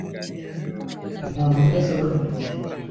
Nta mudasobwa mfite .